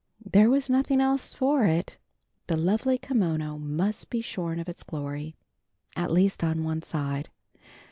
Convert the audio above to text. There was nothing else for it, the lovely kimono must be shorn of its glory, at least on one side.